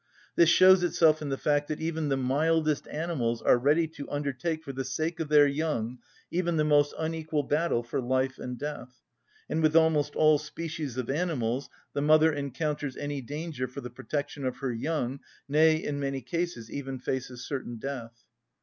This shows itself in the fact that even the mildest animals are ready to undertake for the sake of their young even the most unequal battle for life and death, and with almost all species of animals the mother encounters any danger for the protection of her young, nay, in many cases even faces certain death.